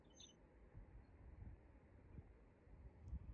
სწორედ ამიტომ სოფელი ტურისტებისათვის საკმაოდ მიმზიდველი ადგილია.